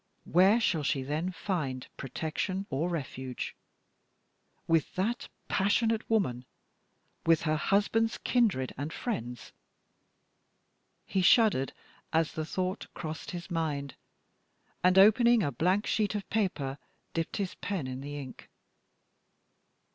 Where shall she then find protection or refuge? With that passionate woman? With her husband's kindred and friends?" He shuddered as the thought crossed his mind, and opening a blank sheet of paper, dipped his pen in the ink.